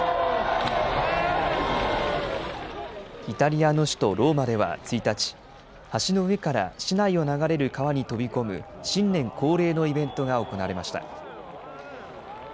イタリアの首都ローマでは１日、橋の上から市内を流れる川に飛び込む新年恒例のイベントが行われました。